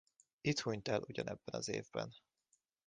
Itt hunyt el ugyanebben az évben.